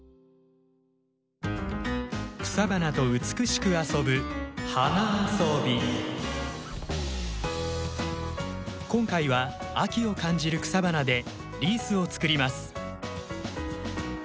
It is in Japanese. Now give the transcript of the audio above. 草花と美しく遊ぶ今回は秋を感じる草花でリースをつくります。